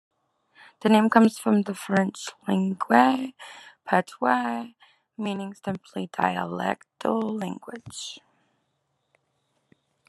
The name comes from the French "Langue Patois", meaning simply dialectal language.